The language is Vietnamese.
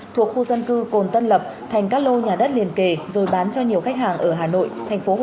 thuộc khu dân cư cồn tân lập